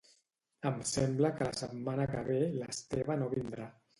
Em sembla que la setmana que ve l'Esteve no vindrà